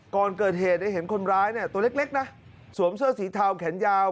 ก่อนเกิดเหตุได้เห็นคนร้ายเนี่ยตัวเล็กนะสวมเสื้อสีเทาแขนยาว